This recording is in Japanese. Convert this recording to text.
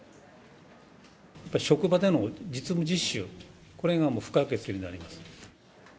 職場での実務実習、これがもう不可欠になります。